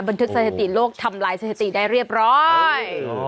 บนทึกเศรษฐีโลกทำลายเศรษฐีได้เรียบร้อย